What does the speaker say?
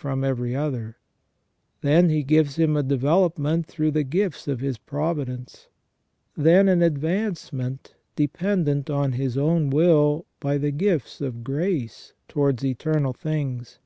from every other; then He gives him a development through the gifts of His providence ; then an advancement dependent on His own will by the gifts of grace towards eternal things.